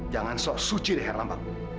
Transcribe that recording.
jangan sok suci deh herlambang